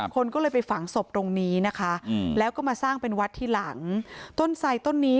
คนก็เลยไปฝังศพตรงนี้นะคะแล้วก็มาสร้างเป็นวัดทีหลังต้นไสต้นนี้